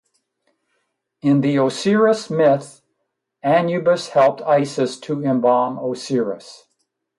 In the Osiris myth, Anubis helped Isis to embalm Osiris.